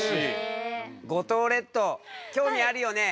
五島列島興味あるよね。